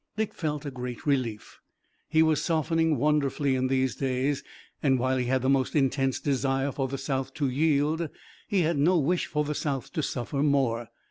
Dick felt great relief. He was softening wonderfully in these days, and while he had the most intense desire for the South to yield he had no wish for the South to suffer more.